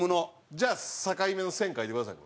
じゃあ境目の線描いてください。